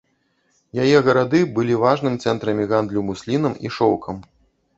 Яе гарады былі важным цэнтрамі гандлю муслінам і шоўкам.